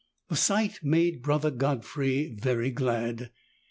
The sight made Brother Godfrey very glad.